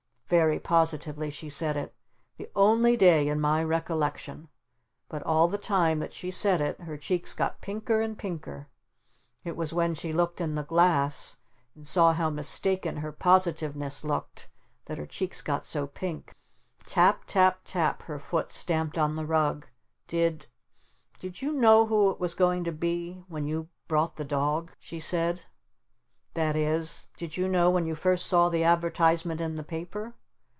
Very positively she said it, "the only day in my recollection." But all the time that she said it her cheeks got pinker and pinker. It was when she looked in the glass and saw how mistaken her positiveness looked that her cheeks got so pink. Tap Tap Tap her foot stamped on the rug. "Did Did you know who it was going to be when you brought the dog?" she said. "That is, did you know when you first saw the advertisement in the paper."